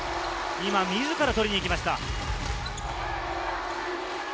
今、自ら取りに行きました。